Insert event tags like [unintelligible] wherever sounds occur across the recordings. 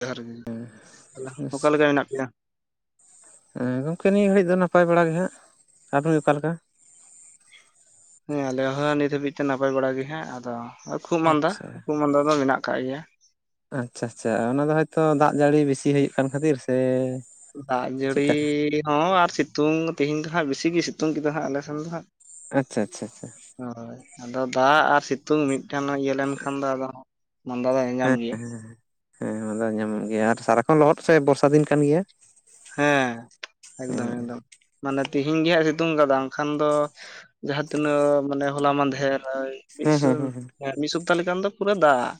ᱡᱚᱦᱟᱨ ᱜᱮ ᱦᱮᱞᱳ ᱚᱠᱟᱞᱮᱠᱟ ᱦᱮᱱᱟᱜ ᱯᱮᱭᱟ? ᱦᱮᱸ ᱜᱚᱝᱠᱮ ᱱᱤᱭᱟᱹ ᱜᱷᱟᱹᱲᱤᱡ ᱫᱚ ᱱᱟᱯᱟᱭ ᱵᱟᱲᱟ ᱜᱮ ᱦᱟᱸᱜ ᱟᱵᱮᱱ ᱜᱮ ᱚᱠᱟᱞᱮᱠᱟ? ᱦᱮᱸ ᱟᱞᱮ ᱦᱚᱸ ᱱᱤᱛ ᱦᱟᱹᱵᱤᱡ ᱛᱮ ᱱᱟᱯᱟᱭ ᱵᱟᱲᱟ ᱜᱮ ᱦᱟᱸᱜ ᱟᱫᱚ ᱠᱷᱩᱜ ᱢᱟᱸᱫᱟ ᱟᱪᱪᱷᱟ ᱠᱷᱩᱜ ᱢᱟᱸᱫᱟ ᱫᱚ ᱢᱮᱱᱟᱜ ᱟᱠᱟᱜ ᱜᱮᱭᱟ᱾ ᱟᱪᱪᱷᱟ ᱟᱪᱪᱷᱟ ᱚᱱᱟ ᱫᱚ ᱦᱚᱭᱛᱳ ᱫᱟᱜ ᱡᱟᱹᱲᱤ ᱵᱮᱥᱤ ᱦᱩᱭᱩᱜ ᱠᱟᱱ ᱠᱷᱟᱹᱛᱤᱨ ᱥᱮ ᱫᱟᱜ ᱡᱟᱹᱲᱤ ᱪᱮᱫᱠᱟ? ᱦᱚᱸ ᱟᱨ ᱥᱤᱛᱩᱝ ᱛᱮᱦᱤᱧ ᱫᱚ ᱦᱟᱸᱜ ᱵᱮᱥᱤ ᱜᱮ ᱥᱤᱛᱩᱝ ᱠᱮᱫᱟ ᱦᱟᱸᱜ ᱟᱞᱮ ᱥᱮᱱ ᱫᱚ ᱦᱟᱸᱜ ᱟᱪᱪᱷᱟ ᱟᱪᱪᱷᱟ ᱟᱪᱪᱷᱟ ᱦᱳᱭ ᱟᱫᱚ ᱫᱟᱜ ᱟᱨ ᱥᱤᱛᱩᱝ ᱢᱤᱫᱴᱮᱱ ᱤᱭᱟᱹ ᱞᱮᱱᱠᱷᱟᱱ ᱫᱚ ᱟᱫᱚ ᱢᱫᱟ ᱫᱚ ᱧᱟ-ᱧᱟᱢ ᱜᱮᱭᱟ᱾ ᱦᱮᱸ ᱦᱮᱸ ᱢᱟᱫᱟ ᱫᱚ ᱧᱟᱢᱚᱜ ᱜᱮᱭᱟ ᱟᱨ ᱥᱟᱨᱟᱠᱷᱚᱱ ᱞᱚᱦᱚᱫ ᱥᱮ ᱵᱚᱨᱥᱟ ᱫᱤᱱ ᱠᱟᱱ ᱜᱮᱭᱟ᱾ ᱦᱮᱸ ᱦᱮᱸ ᱮᱠᱫᱚᱢ ᱮᱠᱫᱚᱢ ᱢᱟᱱᱮ ᱛᱤᱦᱮᱧ ᱜᱮ ᱦᱟᱸᱜ ᱮ ᱥᱤᱛᱩᱝ ᱠᱟᱫᱟ ᱵᱟᱝᱠᱷᱟᱱ ᱫᱚ ᱡᱟᱦᱟᱸ ᱛᱤᱱᱟᱹᱜ ᱢᱟᱱᱮ ᱦᱚᱞᱟ ᱢᱟᱫᱷᱮᱨ ᱦᱮᱸ ᱦᱮᱸ ᱦᱮᱸ ᱢᱤᱫ ᱥᱚᱯᱛᱟᱦᱚ ᱞᱮᱠᱟᱱ ᱫᱚ ᱯᱩᱨᱟᱹ ᱫᱟᱜ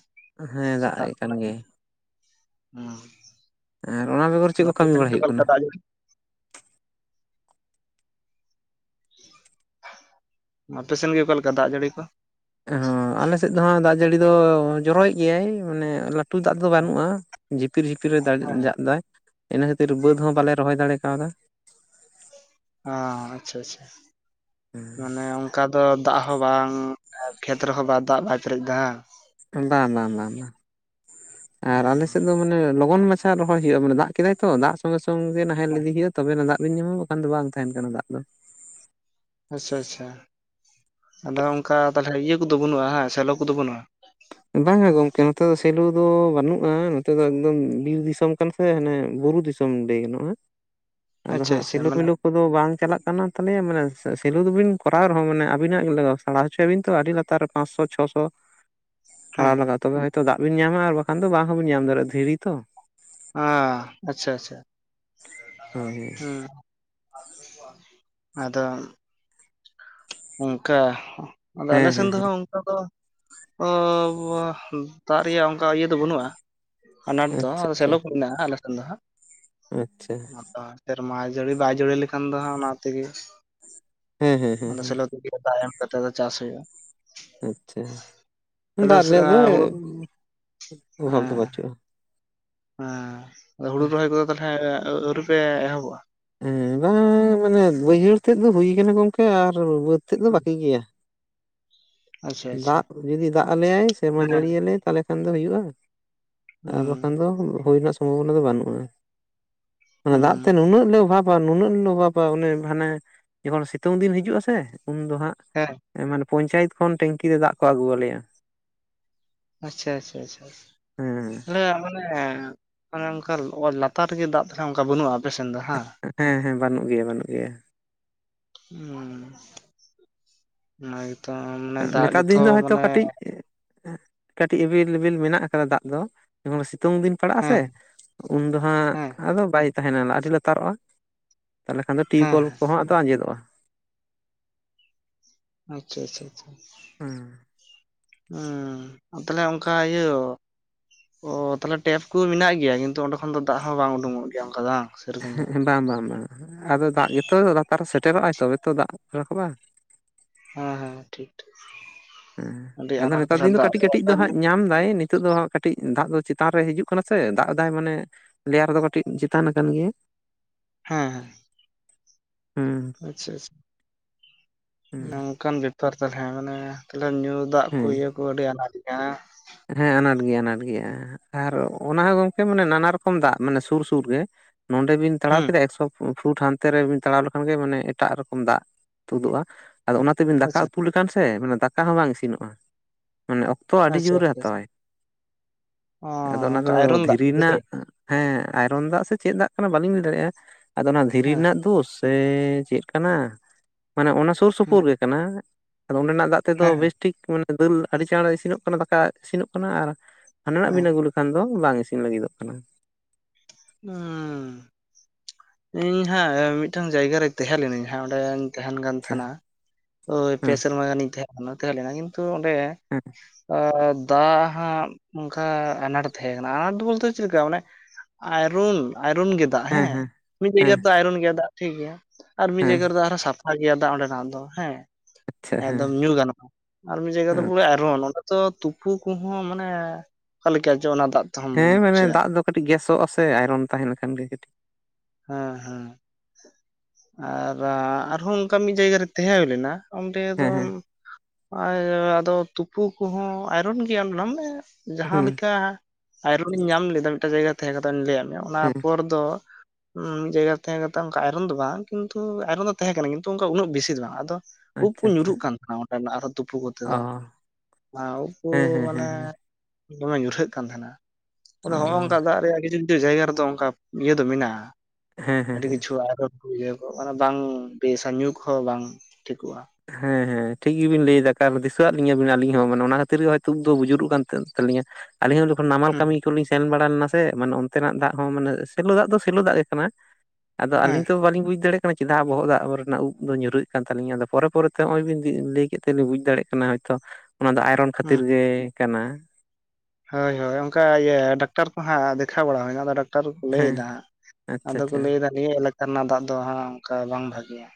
ᱦᱮᱸ ᱫᱟᱜ ᱥᱮᱛᱟᱜ ᱮ ᱠᱟᱱ ᱠᱷᱚᱱᱟᱜ ᱜᱮᱭᱟᱭ [inaudible] ᱟᱨ ᱚᱱᱟ ᱵᱮᱜᱚᱨ ᱦᱩᱸ ᱪᱮᱫ ᱠᱚ ᱟᱯᱮ ᱠᱟᱹᱢᱤ ᱥᱮᱱ ᱵᱟᱲᱟᱭ ᱜᱮ ᱚᱠᱟ ᱦᱩᱭᱩᱜ ᱞᱮᱠᱟ ᱠᱟᱱᱟ? ᱫᱟᱜ ᱡᱟᱹᱲᱤ ᱟᱯᱮ ᱥᱮᱱ ᱜᱮ ᱚᱠᱟ ᱞᱮᱠᱟ ᱫᱟᱜ ᱡᱟᱹᱲᱤ ᱠᱚ? ᱦᱚᱸ ᱟᱞᱮ ᱥᱮᱫ ᱫᱚ ᱦᱟᱸᱜ ᱫᱟᱜ ᱡᱟᱹᱲᱤ ᱫᱚ ᱡᱚᱨᱚᱭᱮᱫ ᱜᱮᱭᱟᱭ ᱢᱟᱱᱮ ᱞᱟᱹᱴᱩ ᱫᱟᱜ ᱫᱚ ᱵᱟᱹᱱᱩᱜᱼᱟ᱾ ᱡᱷᱤᱯᱤᱨ ᱡᱷᱤᱯᱤᱨ ᱮ ᱫᱟᱲ ᱡᱟᱜ ᱮ ᱫᱫᱟ ᱤᱱᱟᱹ ᱠᱷᱟᱹᱛᱤᱨ ᱵᱟᱹᱫᱽ ᱦᱚᱸ ᱵᱟᱞᱮ ᱨᱚᱦᱚᱭ ᱫᱟᱲᱮ ᱠᱟᱣᱫᱟ᱾ ᱚ ᱟᱪᱪᱷᱟ ᱟᱪᱪᱷᱟ ᱢᱟᱱᱮ ᱚᱱᱠᱟ ᱫᱚ ᱫᱟᱜ ᱦᱚᱸ ᱵᱟᱝ ᱠᱷᱮᱛ ᱨᱮᱦᱚᱸ ᱫᱟᱜ ᱵᱟᱭ ᱯᱮᱨᱮᱡ ᱮᱫᱟ᱾ ᱵᱟᱝ ᱵᱟᱝ ᱵᱟᱝ ᱵᱟ ᱟᱨ ᱟᱞᱮ ᱥᱮᱫ ᱫᱚ ᱢᱟᱱᱮ ᱞᱚᱜᱚᱱ ᱢᱟᱪᱷᱟ ᱨᱚᱦᱚᱭ ᱦᱳᱭᱳᱜᱼᱟ ᱢᱟᱱᱮ ᱫᱟᱜ ᱠᱮᱫᱟᱭ ᱛᱚ ᱫᱟᱜ ᱥᱚᱝᱜᱮ ᱥᱚᱝᱜᱮ ᱱᱟᱦᱮᱞ ᱤᱫᱤ ᱦᱳᱭᱳᱜᱼᱟ ᱛᱚᱵᱮ ᱚᱱᱟ ᱫᱟᱜ ᱵᱤᱱ ᱧᱟᱢᱟ ᱵᱟ ᱠᱷᱟᱱ ᱫᱚ ᱵᱟᱝ ᱛᱟᱦᱮᱱ ᱠᱟᱱᱟ ᱫᱟᱜ ᱫᱚ, ᱟᱪᱪᱷᱟ ᱟᱪᱪᱷᱟ, ᱟᱫᱚ ᱚᱝᱠᱟ ᱛᱟᱦᱚᱞᱮ ᱤᱭᱟᱹ ᱠᱚᱫᱚ ᱵᱟᱹᱱᱩᱜᱼᱟ ᱦᱮᱸ ᱥᱮᱞᱚ ᱠᱚᱫᱚ ᱵᱟᱹᱱᱩᱜᱼᱟ? ᱵᱟᱝᱼᱟ ᱜᱚᱢᱠᱮ ᱱᱚᱛᱮ ᱫᱚ ᱥᱮᱞᱩ ᱫᱚ ᱵᱟᱹᱱᱩᱜᱼᱟ ᱱᱚᱛᱮ ᱫᱚ ᱮᱠᱫᱚᱢ ᱵᱤᱨ ᱫᱤᱥᱚᱢ ᱠᱟᱱᱟ ᱾ ᱥᱮ ᱦᱟᱱᱮ ᱵᱩᱨᱩ ᱫᱤᱥᱚᱢ ᱞᱟᱹᱭ ᱜᱟᱱᱚᱜᱼᱟ ᱾ [unintelligible] ᱟᱫᱚ ᱟᱪᱪᱷᱟ ᱦᱟᱸᱜ ᱟᱪᱪᱷᱟ ᱢᱟᱱᱮ ᱥᱮᱞᱳᱢᱮᱞᱳ, ᱠᱚᱫᱚ ᱵᱟᱝ ᱪᱟᱞᱟᱜ ᱠᱟᱱᱟ ᱛᱟᱞᱮᱭᱟ ᱢᱟᱱᱮ ᱥᱮᱞᱩ ᱫᱩᱵᱤᱱ ᱠᱚᱨᱟᱣ ᱨᱮᱦᱚᱸ ᱢᱟᱱᱮ ᱟᱹᱵᱤᱱᱟᱜ [inaudible] ᱦᱚᱪᱚᱭᱟᱵᱤᱱ ᱛᱚ ᱟᱹᱰᱤ ᱞᱟᱛᱟᱨ, ᱯᱟᱸᱥᱥᱚ ᱪᱷᱚᱥᱚ, ᱦᱮᱸ ᱛᱟᱲᱟᱣ ᱞᱟᱜᱟᱜᱼᱟ ᱛᱚᱵᱮ ᱦᱚᱭᱛᱳ ᱫᱟᱜ ᱵᱤᱱ ᱧᱟᱢᱟ ᱟᱨ ᱵᱟᱠᱷᱟᱱ ᱫᱚ ᱵᱟᱝ ᱦᱚᱸᱵᱤᱱ ᱧᱟᱢ ᱫᱟᱲᱮᱭᱟᱜᱼᱟ, ᱫᱷᱤᱨᱤ ᱛᱚ ᱟᱻ ᱟᱪᱪᱷᱟ ᱟᱪᱪᱷᱟ, [unintelligible] ᱦᱮᱸ, ᱟᱫᱚ ᱚᱝᱠᱟ, ᱟᱫᱚ ᱟᱞᱮ ᱦᱮᱸ ᱮᱥᱱ ᱦᱮᱸ ᱫᱚᱦᱚ ᱦᱮᱸ ᱫᱚ ᱵᱟ ᱫᱟᱜ ᱨᱮᱭᱟᱜ ᱚᱝᱠᱟ ᱤᱭᱟᱹ ᱫᱚ ᱵᱟᱹᱱᱩᱜᱼᱟ, ᱟᱱᱟᱴ ᱫᱚ ᱟᱪᱪᱷᱟ ᱟᱪᱪᱷᱟ ᱥᱮᱞᱳ ᱠᱚ ᱢᱮᱱᱟᱜᱼᱟ ᱟᱞᱮ ᱥᱮᱱ ᱫᱚ ᱦᱟᱸᱜ, ᱟᱪᱪᱷᱟ, ᱢᱟ ᱛᱚ ᱥᱮᱨᱢᱟ ᱡᱟᱹᱲᱤ ᱵᱟᱭ ᱡᱟᱹᱲᱤ ᱞᱮᱠᱷᱟᱱ ᱫᱚ ᱦᱟᱸᱜ ᱚᱱᱟ ᱛᱮ ᱜᱮ ᱾ ᱦᱮᱸ ᱦᱮᱸ ᱦᱮᱸ ᱚᱸᱰᱮ ᱦᱮᱸ ᱥᱮᱞᱮᱫ ᱦᱳᱭᱳᱜ-ᱟ ᱫᱟᱜ ᱮᱢ ᱠᱟᱛᱮ ᱫᱚ ᱪᱟᱥ ᱦᱳᱭᱳᱜᱼᱟ ᱾ ᱟᱪᱪᱷᱟ, ᱛᱟᱦᱚᱞᱮ ᱫᱟᱜ ᱨᱮᱭᱟᱜ ᱫᱚ ᱦᱩᱲᱩ ᱦᱮᱸ ᱚᱵᱷᱟᱵᱽ ᱫᱚ ᱵᱟᱪᱩᱜᱼᱟ ᱦᱮᱸ ᱦᱩᱲᱩ ᱨᱚᱦᱚᱭ ᱠᱚᱫᱚ ᱛᱟᱦᱚᱞᱮ ᱟᱹᱣᱨᱤ ᱯᱮ ᱮᱦᱚᱵᱚᱜᱼᱟ? ᱦᱮᱸ ᱵᱟ ᱢᱟᱱᱮ ᱵᱟᱹᱭᱦᱟᱹᱲ ᱛᱮᱫ ᱫᱚ ᱦᱩᱭ ᱠᱟᱱᱟ ᱜᱚᱢᱠᱮ ᱟᱨ ᱵᱟᱹᱫᱽ ᱛᱮᱫ ᱫᱚ ᱵᱟᱠᱤ ᱜᱮᱭᱟ ᱾ ᱟᱪᱪᱷᱟ ᱟᱪᱪᱷᱟ ᱫᱟᱜ ᱡᱩᱫᱤ ᱫᱟᱜ ᱟᱞᱮᱭᱟᱭ ᱥᱮᱨᱢᱟ ᱦᱮᱸ ᱡᱟᱹᱲᱤᱭᱟᱞᱮ ᱛᱟᱦᱚᱞᱮ ᱠᱷᱟᱱ ᱫᱚ ᱦᱩᱭᱩᱜᱼᱟ ᱾ ᱟᱨ ᱦᱩᱸ ᱵᱟᱠᱷᱟᱱ ᱫᱚ ᱦᱩᱲᱩ ᱦᱩᱭ ᱨᱮᱱᱟᱜ ᱥᱚᱢᱵᱷᱚᱵᱚᱱᱟ ᱫᱚ ᱵᱟᱹᱱᱩᱜᱼᱟ, ᱢᱟᱱᱮ ᱦᱩᱸ ᱫᱟᱜ ᱛᱮ ᱱᱩᱱᱟᱹᱜ ᱞᱮ ᱚᱵᱷᱟᱵᱽ ᱵᱟ ᱱᱩᱱᱟᱹᱜ ᱚᱵᱷᱟᱯᱟ ᱚᱱᱮ ᱦᱟᱱᱮ ᱡᱚᱠᱷᱚᱱ ᱥᱤᱛᱩᱝ ᱫᱤᱱ ᱦᱤᱡᱩᱜ ᱟᱥᱮ ᱩᱱ ᱫᱚ ᱦᱟᱸᱜ, [inaudible] ᱢᱟᱱᱮ ᱯᱚᱧᱪᱟᱭᱮᱛ ᱠᱷᱚᱱ ᱴᱤᱝᱠᱤ ᱨᱮ ᱫᱟᱜ ᱠᱚ ᱟᱹᱜᱩ ᱟᱞᱮᱭᱟ ᱾ ᱟᱪᱪᱷᱟ ᱟᱪᱪᱷᱟ ᱦᱮᱸ ᱟᱪᱪᱷᱟ [inaudible] ᱚᱱᱮ ᱚᱝᱠᱟ ᱚ ᱞᱟᱛᱟᱨ ᱨᱮᱜᱮ ᱫᱟᱜ ᱛᱟᱦᱟᱞᱮ ᱚᱝᱠᱟ ᱵᱟᱹᱱᱩᱜᱼᱟ ᱟᱯᱮᱥᱮᱱ ᱫᱚ ᱦᱮᱸ ᱦᱮᱸ ᱦᱮᱸ ᱵᱟᱹᱱᱩᱜ ᱜᱮᱭᱟ ᱵᱟᱹᱱᱩᱜ ᱜᱮᱭᱟ ᱾ ᱦᱩᱸ ᱚᱱᱟ ᱜᱮᱛᱚ ᱢᱟᱱᱮ ᱫᱟᱜ ᱱᱮᱛᱟᱨ ᱫᱤᱱ ᱜᱮᱛᱷᱚ ᱫᱚ ᱦᱚᱭᱛᱚ ᱢᱟᱱᱮ ᱠᱟᱹᱴᱤᱡ ᱠᱟᱹᱴᱤᱡ ᱮᱵᱮᱞ ᱮᱵᱮᱞ ᱢᱮᱱᱟᱜ ᱟᱠᱟᱫᱟ ᱫᱟᱜ ᱫᱚ ᱡᱚᱠᱷᱚᱱ ᱥᱤᱛᱩᱝ ᱫᱤᱱ ᱯᱟᱲᱟᱜ ᱟᱥᱮ, ᱦᱮᱸ ᱩᱱ ᱫᱚ ᱦᱟᱸᱜ ᱦᱮᱸ ᱟᱫᱚ ᱵᱟᱭ ᱛᱟᱦᱮᱱᱟ ᱟᱹᱰᱤ ᱞᱟᱛᱟᱨᱚᱜᱼᱟ ᱛᱟᱦᱚᱞᱮ ᱠᱷᱟᱱ ᱫᱚ ᱦᱮᱸ ᱴᱤᱭᱩᱠᱚᱞ ᱦᱮᱸ ᱠᱚ ᱦᱚᱸ ᱟᱸᱡᱮᱫᱚᱜᱼᱟ ᱾ ᱟᱪᱪᱷᱟ ᱟᱪᱪᱷᱟ ᱟᱪᱷᱟ ᱦᱩᱸ ᱛᱟᱦᱚᱞᱮ ᱚᱝᱠᱟ ᱤᱭᱟᱹ ᱚ ᱛᱟᱦᱚᱞᱮ ᱴᱮᱯ ᱠᱩ ᱢᱮᱱᱟᱜ ᱜᱮᱭᱟ, ᱠᱤᱱᱛᱩ ᱚᱸᱰᱮ ᱠᱷᱚᱱ ᱫᱚ ᱫᱟᱜ ᱦᱚᱸ ᱵᱟᱝ ᱩᱰᱩᱝᱚᱜ ᱜᱮᱭᱟ ᱚᱱᱠᱟ ᱫᱚ ᱵᱟᱝ? ᱥᱮᱨᱚᱠᱚᱢ ᱫᱚ ᱦᱮ ᱵᱟᱝ ᱵᱟᱝ ᱵᱟᱝ ᱟᱫᱚ ᱫᱟᱜ ᱜᱮᱛᱚ ᱞᱟᱛᱟᱨ ᱥᱮᱴᱮᱨᱚᱜ ᱟᱭ ᱛᱚᱵᱮ ᱛᱚ ᱫᱟᱜ ᱨᱟᱠᱟᱵ-ᱟ ᱦᱮᱸ ᱦᱮᱸ ᱴᱷᱤᱠ ᱴᱷᱤᱠ, ᱟᱹᱰᱤ ᱦᱮᱸ ᱟᱫᱚ ᱟᱱᱟᱴ ᱱᱮᱛᱟᱨ ᱛᱟᱦᱞᱮ ᱫᱤᱱ ᱫᱚ ᱫᱟᱜ ᱠᱟᱹᱴᱤᱡ ᱨᱮᱭᱟᱜ ᱠᱟᱹᱴᱤᱡ ᱫᱚ ᱦᱮᱸ ᱦᱟᱸᱜ ᱧᱟᱢ ᱫᱟᱭ ᱱᱤ ᱛᱩᱜ ᱫᱚ ᱠᱟᱹᱴᱤᱡ ᱫᱟᱜ ᱫᱚ ᱪᱮᱛᱟᱱ ᱨᱮ ᱦᱤᱡᱩᱜ ᱠᱟᱱᱟ ᱥᱮ ᱫᱟᱜ ᱮᱫᱟᱭ ᱢᱟᱱᱮ, ᱞᱮᱭᱟᱨ ᱫᱚ ᱠᱟᱹᱴᱤᱡ ᱪᱮᱛᱟᱱ ᱟᱠᱟᱱ ᱜᱮᱭᱟ ᱾ ᱦᱮᱸᱻ ᱦᱮᱸ ᱟᱪᱪᱷᱟ ᱟᱪᱪᱷᱟ, ᱱᱚᱝᱠᱟᱱ ᱵᱮᱯᱟᱨ ᱛᱟᱞᱦᱮ ᱢᱟᱱᱮ ᱛᱟᱦᱚᱞᱮ ᱧᱩ ᱫᱟᱜ ᱠᱚ ᱦᱮᱸ ᱤᱭᱟᱹ ᱠᱚ ᱟᱹᱰᱤ ᱟᱱᱟᱴ ᱜᱮᱭᱟ ᱾ ᱦᱮᱸ ᱟᱱᱟᱴ ᱜᱮᱭᱟ ᱟᱱᱟᱴ ᱜᱮᱭᱟ ᱟᱨ ᱚᱱᱟ ᱦᱚᱸ ᱜᱚᱝ ᱠᱮ ᱢᱟᱱᱮ ᱱᱟᱱᱟ ᱨᱚᱠᱚᱢ ᱫᱟᱜ ᱢᱟᱱᱮ ᱥᱩᱨ ᱥᱩᱨ ᱜᱮ ᱱᱚᱸᱰᱮ ᱵᱤᱱ ᱛᱟᱲᱟᱣ ᱦᱩᱸ ᱠᱮᱫᱟ ᱮᱠᱥᱚ ᱯᱷᱩᱴ ᱦᱟᱱᱛᱮ ᱨᱮᱵᱮᱱ ᱛᱟᱲᱟᱣ ᱞᱮᱠᱷᱟᱱ ᱜᱮ ᱢᱟᱱᱮ ᱮᱴᱟᱜ ᱨᱚᱠᱚᱢ ᱫᱟᱜ ᱛᱩᱫᱩᱜ-ᱟ᱾ ᱟᱫᱚ ᱚᱱᱟ ᱛᱮᱵᱤᱱ ᱫᱟᱠᱟ ᱟᱪᱪᱷᱟ ᱩᱛᱩ ᱞᱮᱠᱷᱟᱱ ᱥᱮ ᱢᱟᱱᱮ ᱫᱟᱠᱟ ᱦᱚᱸ ᱵᱟᱝ ᱤᱥᱤᱱᱚᱜᱼᱟ᱾ ᱢᱟᱱᱮ ᱚᱠᱛᱚ ᱟᱰᱤ ᱟᱪᱪᱷᱟ ᱡᱳᱨᱮ ᱟᱪᱪᱷᱟ ᱦᱟᱛᱟᱣᱟᱭ ᱚ ᱟᱫᱚ ᱚᱱᱟ ᱫᱚ ᱚᱱᱠᱟ ᱟᱭᱨᱚᱱ ᱫᱟᱜ ᱫᱷᱤᱨᱤ ᱠᱚ ᱦᱮᱸᱥᱮ ᱨᱮᱱᱟᱜ ᱦᱮᱸ ᱟᱭᱨᱚᱱ ᱫᱟᱜ ᱥᱮ ᱪᱮᱫ ᱫᱟᱜ ᱠᱟᱱᱟ ᱵᱟᱞᱤᱧ ᱞᱟᱹᱭ ᱫᱟᱲᱮᱭᱟᱜᱼᱟ᱾ ᱟᱫᱚ ᱚᱱᱟ ᱫᱷᱤᱨᱤ ᱦᱮᱸ ᱨᱮᱱᱟᱜ ᱫᱳᱥ ᱥᱮ ᱪᱮᱫ ᱠᱟᱱᱟ᱾ ᱢᱟᱱᱮ ᱚᱱᱟ ᱥᱩᱨ ᱥᱩᱯᱩᱨ ᱜᱮ ᱠᱟᱱᱟ, ᱟᱫᱚ ᱚᱰᱮᱱᱟᱜ ᱫᱟᱜ ᱛᱮᱫᱚ ᱦᱮᱸ ᱵᱮᱥ ᱴᱷᱤᱠ ᱢᱟᱱᱮ ᱫᱟᱹᱞ ᱟᱹᱰᱤ ᱪᱟᱸᱬ ᱤᱥᱤᱱᱚᱜ ᱠᱟᱱᱟ ᱫᱟᱠᱟ ᱤᱥᱤᱱᱚᱜ ᱠᱟᱱᱟ ᱟᱨ ᱦᱟᱰᱮᱱᱟᱜ ᱵᱤᱱ ᱦᱮᱸ ᱟᱹᱜᱩ ᱞᱮ ᱠᱷᱟᱱ ᱫᱚ ᱵᱟᱝ ᱤᱥᱤᱱ ᱞᱟᱹᱜᱤᱫᱚᱜ ᱠᱟᱱᱟ᱾ ᱩᱸ ᱤᱧ ᱦᱟᱸᱜ ᱢᱤᱫᱴᱟᱝ ᱡᱟᱭᱜᱟ ᱨᱮ ᱛᱟᱦᱮ ᱞᱮᱱᱤᱧ ᱦᱟᱸᱜ ᱚᱸᱰᱮᱧ ᱛᱟᱦᱮᱱ ᱠᱟᱱ ᱟᱪᱪᱷᱟ ᱛᱟᱦᱮᱱᱟ᱾ ᱳᱭ ᱯᱮ ᱦᱮᱸ ᱥᱮᱨᱢᱟ ᱜᱟᱱᱤᱧ ᱛᱟᱦᱮ ᱠᱟᱱᱟ ᱛᱟᱦᱮᱞᱮᱱᱟ ᱠᱤᱱ ᱛᱩ ᱚᱰᱮ ᱦᱮᱸ ᱚ ᱫᱟᱜ ᱦᱟᱸᱜ ᱚᱱᱠᱟ ᱟᱱᱟᱴ ᱛᱟᱦᱮ ᱠᱟᱱᱟ᱾ ᱟᱱᱟᱴ ᱵᱚᱞᱛᱮ ᱪᱮᱫ ᱞᱮᱠᱟ ᱢᱟᱱᱮ ᱟᱭᱨᱚᱱ ᱟᱭᱨᱚᱱ ᱜᱮ ᱫᱟᱜ ᱦᱮᱸ᱾ ᱢᱤᱫ ᱡᱟᱭᱜᱟ ᱦᱮᱸ ᱨᱮᱫᱚ ᱟᱭᱨᱚᱱ ᱜᱮᱭᱟ ᱫᱟᱜ ᱴᱷᱤᱠ ᱜᱮᱭᱟ᱾ ᱟᱨ ᱢᱤᱫ ᱦᱮᱸ ᱡᱟᱭᱜᱟ ᱨᱮᱫᱚ ᱟᱨᱦᱚ ᱥᱟᱯᱷᱟ ᱜᱮᱭᱟ ᱫᱟᱜ ᱚᱰᱮᱱᱟᱜ ᱫᱚ ᱦᱮᱸ, ᱟᱪᱪᱷᱟ ᱦᱮᱸ ᱮᱠᱫᱚᱢ ᱧᱩ ᱜᱟᱱᱚᱜᱼᱟ᱾ ᱟᱨ ᱢᱤᱫ ᱡᱟᱭᱜᱟ ᱫᱚ ᱦᱮᱸ ᱯᱩᱨᱟᱹ ᱟᱭᱨᱚᱱ᱾ ᱚᱰᱮ ᱫᱚ ᱛᱩᱯᱩ ᱠᱚᱦᱚᱸ ᱢᱟᱱᱮ ᱚᱠᱟ ᱞᱮᱠᱟ ᱪᱚ ᱚᱱᱟ ᱫᱟᱜ ᱛᱮᱦᱚᱢ ᱦᱮᱸ ᱢᱟᱱᱮ ᱵᱩᱡᱷᱟᱹᱜᱼᱟ ᱫᱟᱜ ᱫᱚ ᱠᱟᱹᱴᱤᱡ ᱜᱮᱥᱚᱜ ᱟᱥᱮ ᱟᱭᱨᱚᱱ ᱛᱟᱦᱮᱱ ᱠᱷᱟᱱ ᱜᱮ ᱠᱟᱴᱤᱡ᱾ ᱦᱮᱸ ᱦᱮᱸ ᱟᱨ ᱟᱨᱦᱚᱸ ᱚᱱᱠᱟ ᱢᱤᱫ ᱡᱟᱭᱜᱟ ᱨᱮ ᱛᱟᱦᱮ ᱦᱩᱭ ᱞᱮᱱᱟ᱾ ᱚᱰᱮ ᱦᱮᱸ ᱦᱮᱸ [unintelligible] ᱟᱫᱚ ᱛᱩᱯᱩ ᱠᱚᱦᱚᱸ ᱟᱭᱨᱚᱱ ᱜᱮᱭᱟ ᱚᱰᱮᱱᱟᱜ ᱢᱮ ᱡᱟᱦᱟᱸ ᱦᱮᱸ ᱞᱮᱠᱟ ᱟᱭᱨᱚᱱᱤᱧ ᱧᱟᱢ ᱞᱮᱫᱟ ᱢᱤᱫᱴᱟᱝ ᱡᱟᱭᱜᱟ ᱨᱮ ᱛᱟᱦᱮ ᱠᱟᱛᱮ ᱚᱱᱮᱧ ᱞᱟᱹᱭᱟᱫ ᱢᱮᱭᱟ᱾ ᱚᱱᱟ ᱦᱮᱸ ᱯᱚᱨ ᱫᱚ ᱢᱤᱫ ᱡᱟᱭᱜᱟ ᱨᱮ ᱛᱟᱦᱮ ᱠᱟᱛᱮ ᱚᱱᱠᱟ ᱟᱭᱨᱚᱱ ᱫᱚ ᱵᱟᱝ ᱠᱤᱱᱛᱩ ᱟᱭᱨᱚᱱ ᱫᱚ ᱛᱟᱦᱮ ᱠᱟᱱᱟ ᱠᱤᱱᱛᱩ ᱩᱱᱟᱹᱜ ᱵᱮᱥᱤ ᱫᱚ ᱵᱟᱝ ᱟᱫᱚ ᱩᱵ ᱠᱚ ᱟᱪᱪᱷᱟ ᱟᱪᱪᱷᱟ ᱧᱩᱨᱩᱜ ᱠᱟᱱ ᱟᱨ ᱚᱴᱮᱱᱟᱜ ᱟᱨᱦᱚ ᱛᱩᱯᱩ ᱠᱚᱛᱮ ᱚ ᱫᱚ ᱟᱨ ᱩᱵᱠᱩ ᱦᱮᱸ ᱦᱮᱸ ᱢᱟᱱᱮ ᱦᱮᱸ ᱦᱮᱸ ᱫᱚᱢᱮ ᱧᱩᱨᱦᱟᱹᱜ ᱠᱟᱱ ᱛᱟᱦᱮᱱᱟ ᱚ ᱟᱫᱚ ᱦᱚ-ᱚᱝᱠᱟ ᱫᱟᱜ ᱨᱮᱭᱟᱜ [unintelligible] ᱠᱤᱪᱩ ᱡᱟᱭᱜᱟ ᱨᱮᱫᱚ ᱚᱱᱠᱟ ᱤᱭᱟᱹ ᱫᱚ ᱢᱮᱱᱟᱜ-ᱟ᱾ ᱦᱮᱸ ᱦᱮᱸ ᱟᱰᱤ ᱦᱮᱸ ᱠᱤᱪᱷᱩ ᱟᱭᱨᱚᱱ ᱠᱚ ᱤᱭᱟᱹ ᱠᱩ ᱢᱟᱱᱮ ᱵᱟᱝ ᱵᱮᱥᱟ ᱧᱩ ᱠᱚᱦᱚ ᱵᱟᱝ ᱴᱷᱤᱠᱚᱜ-ᱟ᱾ ᱦᱮᱸ ᱦᱮᱸ ᱴᱷᱤᱠ ᱜᱮᱵᱤᱱ ᱞᱟᱹᱭᱫᱟ ᱠᱟᱨ ᱫᱤᱥᱟᱹᱣᱟᱫ ᱞᱤᱧᱟᱹ ᱵᱤᱱ ᱟᱹᱞᱤᱧ ᱦᱚᱸ ᱢᱟᱱᱮ ᱚᱱᱟ ᱠᱷᱟᱹᱛᱤᱨ ᱜᱮ ᱦᱚᱭᱛᱳ ᱩᱵ ᱫᱚ ᱵᱩᱡᱩᱨᱚᱜ ᱠᱟᱱ ᱛᱟᱞᱤᱧᱟ᱾ ᱟᱹᱞᱤᱧ ᱦᱚᱸ ᱡᱚᱠᱷᱚᱱ ᱱᱟᱢᱟᱞ ᱦᱩᱸ ᱠᱟᱢᱤ ᱠᱚᱞᱤᱧ ᱥᱮᱱ ᱵᱟᱲ ᱞᱮᱱᱟ ᱥᱮ᱾ ᱢᱟᱱᱮ ᱚᱱᱛᱮᱱᱟᱜ ᱫᱟᱜ ᱦᱚᱸ ᱢᱟᱱᱮ ᱥᱮᱞᱚ ᱫᱟᱜ ᱫᱚ ᱥᱮᱞᱚ ᱫᱟᱜ ᱜᱮ ᱠᱟᱱᱟ᱾ ᱟᱫᱚ ᱦᱮᱸ ᱟᱞᱤᱧ ᱛᱚ ᱵᱟᱞᱤᱧ ᱵᱩᱡ ᱫᱟᱲᱮᱜ ᱠᱟᱫᱟ ᱪᱮᱫᱟᱜ ᱵᱚᱦᱚᱜ ᱫᱟᱜ ᱨᱮᱱᱟᱜ ᱩᱵ ᱫᱚ ᱧᱩᱨᱩᱜ ᱠᱟᱱ ᱛᱞᱤᱧᱟ᱾ ᱟᱫᱚ ᱯᱚᱨᱮ ᱯᱚᱨᱮᱛᱮ ᱦᱚᱸᱜ-ᱚᱭ ᱵᱤᱱ ᱞᱟᱹᱭ ᱠᱮᱫ ᱛᱮ ᱞᱤᱧ ᱵᱩᱡ ᱫᱟᱲᱮᱭᱟᱜ ᱠᱟᱱᱟ ᱦᱚᱭᱛᱚ ᱚᱱᱟ ᱫᱚ ᱟᱭᱨᱚᱱ ᱠᱷᱟᱹᱛᱤᱨ ᱦᱩᱸ ᱜᱮ ᱠᱟᱱᱟ᱾ ᱦᱳᱭ ᱦᱳᱭ ᱚᱱᱠᱟ ᱤᱭᱟᱹ ᱰᱟᱠᱛᱟᱨ ᱠᱚ ᱦᱟᱜ ᱫᱮᱠᱷᱟᱣ ᱵᱟᱲᱟ ᱦᱩᱭᱱᱟ ᱟᱫᱚ ᱰᱟᱠ ᱴᱟᱨ ᱠᱚᱠᱚ ᱞᱟᱹᱭ ᱦᱮᱸ ᱮᱫᱟ ᱟᱪᱪᱷᱟ ᱟᱫᱚ ᱠᱚ ᱟᱪᱪᱷᱟ ᱞᱟᱹᱭ ᱫᱟ ᱱᱤᱭᱟᱹ ᱮᱞᱟᱠᱟ ᱨᱮᱱᱟᱜ ᱫᱟᱜ ᱫᱚ ᱦᱟᱸᱜ ᱚᱱᱠᱟ ᱵᱟᱝ ᱵᱷᱟᱜᱮᱭᱟ᱾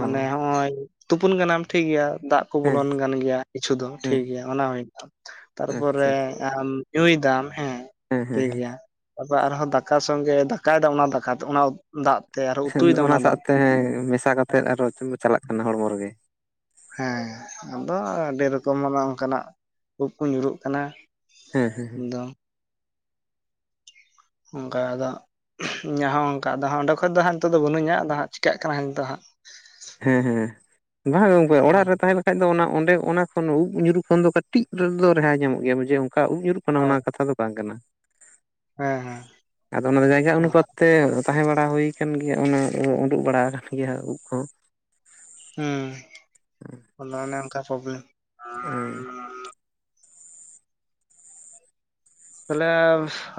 ᱢᱟᱱᱮ ᱦᱚᱸᱜᱼᱚᱭ ᱛᱩᱯᱩᱱ ᱠᱟᱱᱟᱢ ᱴᱷᱤᱠ ᱜᱮᱭᱟ ᱫᱟᱜ ᱠᱚ ᱦᱮᱸ ᱵᱚᱞᱚᱱ ᱠᱟᱱ ᱜᱮᱭᱟ᱾ ᱠᱤᱪᱷᱩ ᱫᱚ ᱦᱮᱸ ᱴᱷᱤᱠ ᱜᱮᱭᱟ ᱚᱱᱟ ᱦᱩᱭᱛᱟᱢ ᱛᱟᱨᱯᱚᱨ ᱟᱪᱪᱷᱟ ᱟᱪᱪᱷᱟ ᱟᱢ ᱧᱩᱭ ᱫᱟᱢ ᱦᱮᱸ ᱴᱷᱤᱠ ᱜᱮᱭᱟ᱾ ᱟᱵᱟᱨ ᱟᱨᱦᱚ ᱫᱟᱠᱟ ᱥᱚᱜᱮ ᱫᱟᱠᱟᱭ ᱫᱟᱢ, ᱚᱱᱟ ᱫᱟᱠᱟ ᱚᱱᱟ ᱫᱟᱜ ᱛᱮ ᱟᱨᱦᱚᱸ ᱩᱛᱩᱭ [unintelligible] ᱫᱟᱢ ᱚᱱᱟ ᱫᱟᱜ ᱥᱟᱜᱛᱮ ᱦᱮᱸ ᱢᱮᱥᱟ ᱠᱟᱛᱮᱫ ᱟᱨᱚᱚ ᱪᱟᱞᱟᱜ ᱠᱟᱱᱟ ᱦᱚᱲᱢᱚ ᱨᱮᱜᱮ᱾ ᱦᱮ ᱟᱫᱚ ᱟᱹᱰᱤ ᱨᱚᱠᱚᱢ ᱚᱱᱮ ᱚᱱᱠᱟᱱᱟᱜ ᱩᱵ ᱠᱚ ᱧᱩᱨᱩᱜ ᱠᱟᱱᱟ᱾ ᱦᱮᱸ ᱦᱮᱸ ᱦᱩᱸ᱾ ᱮᱠᱫᱚᱢ ᱚᱱᱠᱟ ᱫᱚ ᱤᱧᱟᱹᱜ ᱦᱚᱸ ᱚᱱᱠᱟ ᱟᱫᱚ ᱦᱟᱸᱜ ᱚᱰᱮ ᱠᱷᱚᱡ ᱫᱚ ᱦᱟᱸᱜ ᱱᱤᱛᱚᱜ ᱫᱚ ᱵᱟᱹᱱᱩᱧᱟ᱾ ᱟᱫᱚ ᱦᱟᱸᱜ ᱪᱤᱠᱟᱹᱜ ᱠᱟᱱᱟ ᱦᱟᱸᱜ ᱱᱤᱛᱚᱜ ᱦᱟᱸᱜ᱾ ᱦᱮᱸ ᱦᱮᱸ ᱵᱟᱝ ᱜᱚᱝᱠᱮ ᱦᱩᱸ ᱚᱲᱟᱜ ᱨᱮ ᱛᱟᱦᱮ ᱞᱮ ᱠᱷᱟᱡ ᱫᱚ ᱚᱱᱟ ᱚᱸᱰᱮ ᱚᱱᱟ ᱠᱷᱚᱱ ᱦᱚᱸ ᱩᱵ ᱧᱩᱨᱩ ᱠᱷᱚᱱ ᱫᱚ ᱠᱟᱹᱴᱤᱡ ᱨᱮᱫᱚ ᱨᱮᱦᱟᱭ ᱧᱟᱢᱚᱜ ᱜᱮᱭᱟ ᱡᱮ ᱚᱱᱠᱟ ᱩᱵ ᱧᱩᱨᱩᱜ ᱠᱷᱚᱱᱟ ᱚᱱᱟ ᱦᱳᱭ ᱚᱱᱟ ᱠᱟᱛᱷᱟ ᱫᱚ ᱵᱟᱝ ᱠᱟᱱᱟ᱾ ᱦᱮᱸ ᱦᱮᱸ᱾ ᱟᱫᱚ ᱚᱱᱟᱫᱚ ᱡᱟᱭᱜᱟ ᱚᱱᱩᱯᱟᱛ ᱛᱮ ᱛᱟᱦᱮᱸ ᱵᱟᱲᱟ ᱦᱩᱭ ᱠᱟᱱ ᱜᱮᱭᱟ ᱚᱱᱟ ᱩᱰᱩᱠ ᱵᱟᱲᱟ ᱟᱠᱟᱱ ᱜᱮᱭᱟ ᱩᱵ ᱠᱚᱦᱚᱸ᱾ ᱩᱸ ᱟᱫᱚ ᱚᱱᱮ ᱚᱱᱠᱟ ᱯᱨᱚᱵᱞᱮᱢ ᱮᱸ᱾ ᱛᱟᱦᱚᱞᱮ